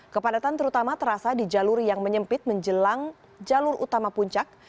kepadatan terutama terasa di jalur yang menyempit menjelang jalur utama puncak